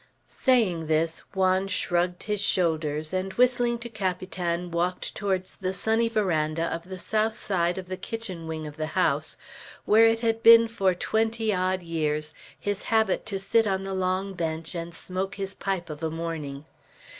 Saying this, Juan shrugged his shoulders, and whistling to Capitan, walked towards the sunny veranda of the south side of the kitchen wing of the house, where it had been for twenty odd years his habit to sit on the long bench and smoke his pipe of a morning.